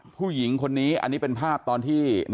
ผู้หญิงคนนี้อันนี้เป็นภาพตอนที่